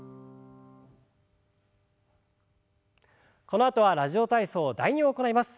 このあとは「ラジオ体操第２」を行います。